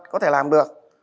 có thể làm được